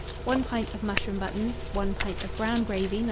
1 pint of mushroom buttons, 1 pint of brown gravy No.